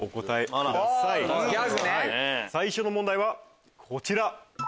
最初の問題はこちら。